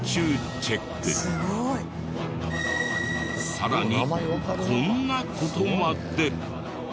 さらにこんな事まで。